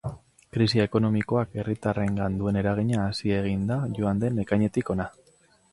Krisi ekonomikoak herritarrengan duen eragina hazi egin da joan den ekainetik hona.